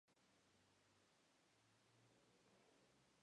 En el mismo incidente recibió una herida leve el filósofo británico Gareth Evans.